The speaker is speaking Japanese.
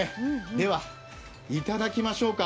では、いただきましょうか。